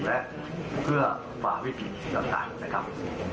และเพื่อฝ่าวิธีและศาลนะครับ